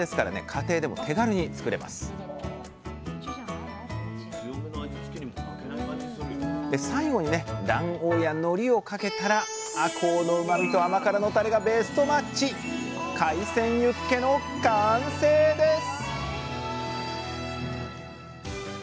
家庭でも手軽に作れますで最後にね卵黄やのりをかけたらあこうのうまみと甘辛のタレがベストマッチ海鮮ユッケの完成です